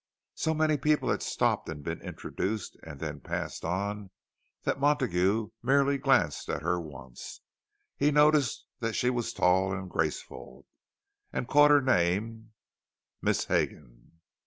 So many people had stopped and been introduced and then passed on, that Montague merely glanced at her once. He noticed that she was tall and graceful, and caught her name, Miss Hegan.